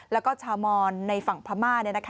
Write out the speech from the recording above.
แล้วก็ชาวมอนในฝั่งพม่า